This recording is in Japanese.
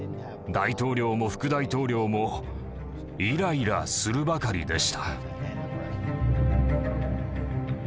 大統領も副大統領もイライラするばかりでした。